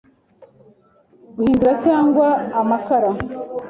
Guhindura cyangwa amakara